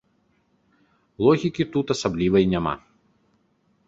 Логікі тут асаблівай няма.